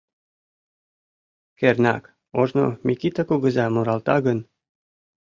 Кернак, ожно Микита кугыза муралта гын.